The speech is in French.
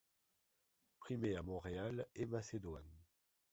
Primé a Montréal, et Macédoine.